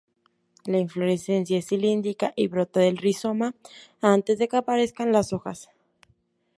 La inflorescencia es cilíndrica y brota del rizoma antes de que aparezcan las hojas.